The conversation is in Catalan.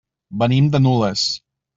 Venim de Nules.